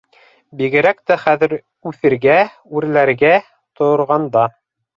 Бигерәк тә хәҙер, үҫергә, үрләргә торғанда.